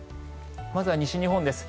まずは西日本です。